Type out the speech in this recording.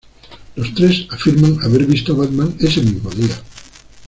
Los tres afirman haber visto a Batman ese mismo día.